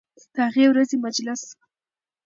د هغې ورځې مجلس